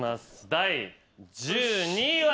第１２位は。